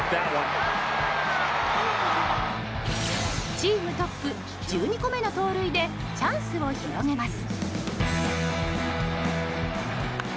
チームトップ１２個目の盗塁でチャンスを広げます。